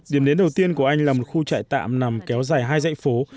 điểm đến đầu tiên của anh là một khu trại tạm nằm kéo dài hai dãy phố